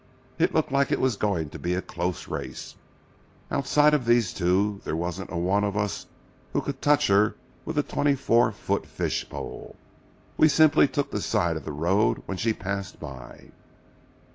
It looked like it was going to be a close race. Outside of these two there wasn't a one of us who could touch her with a twenty four foot fish pole. We simply took the side of the road when she passed by.